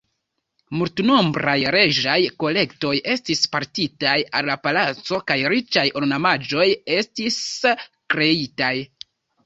Multnombraj reĝaj kolektoj estis portitaj al la palaco kaj riĉaj ornamaĵoj estis kreitaj.